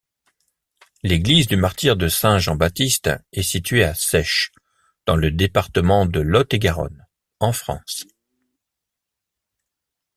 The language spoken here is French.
L'église du Martyre-de-Saint-Jean-Baptiste est située à Seyches, dans le département de Lot-et-Garonne, en France.